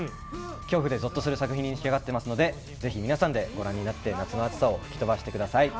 恐怖でゾッとする作品に仕上がっていますのでぜひ、皆さんでご覧になって夏の暑さを吹き飛ばしてください。